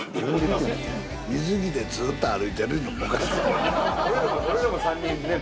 水着でずっと歩いてるいうのもおかしい。